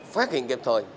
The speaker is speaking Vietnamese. phát hiện kịp thời